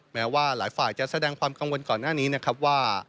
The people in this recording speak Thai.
แม้ว่าหลายฝ่ายจะแสดงความกังวลก่อนหน้านี้นะครับว่า